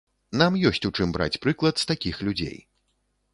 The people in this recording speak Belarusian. Нам ёсць у чым браць прыклад з такіх людзей.